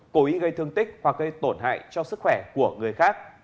cố ý gây thương tích hoặc gây tổn hại cho sức khỏe của người khác